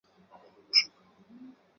艾珠区是属于阿纳巴尔选区。